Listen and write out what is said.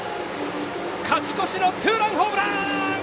勝ち越しのツーランホームラン！